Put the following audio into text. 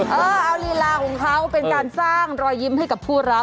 เอาลีลาของเขาเป็นการสร้างรอยยิ้มให้กับผู้รับ